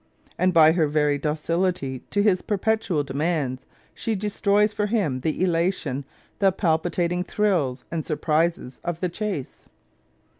And by her very docility to his perpetual demands she destroys for him the elation, the palpitating thrills and surprises, of the chase.